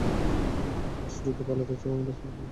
বেশ, যদি পালাতেই চাও আমাদের সাথে পালাও!